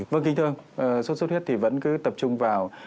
vâng kinh thương suốt suốt huyết thì vẫn cứ tập trung vào